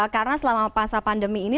karena selama masa pandemi ini